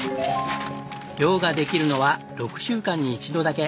漁ができるのは６週間に一度だけ。